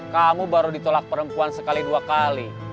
kamu baru ditolak perempuan sekali dua kali